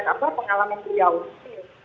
apa pengalaman pria usia